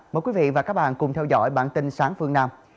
mời quý vị và các bạn cùng theo dõi bản tin sáng phương nam